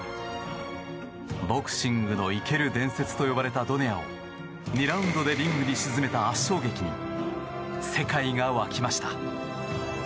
ボクシングの生ける伝説と呼ばれたドネアを２ラウンドでリングに沈めた圧勝劇に世界が沸きました。